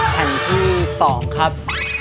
ข้ามที่๒ครับ